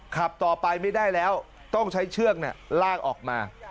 ขับต่อไปไม่ได้แล้วต้องใช้เชือกลากออกมา